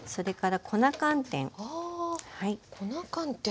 あ粉寒天。